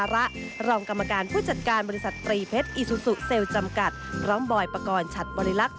ร้องบ่อยประกอบชัดบริลักษณ์